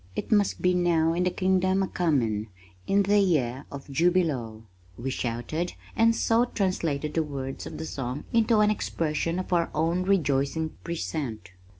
It must be now in the Kingdom a comin' In the year of Jubilo! we shouted, and so translated the words of the song into an expression of our own rejoicing present.